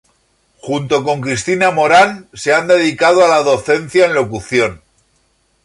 Junto con Cristina Morán se han dedicado a la docencia en locución.